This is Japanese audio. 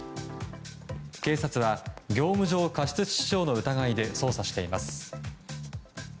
警察は業務上過失致死傷の疑いで捜査しています。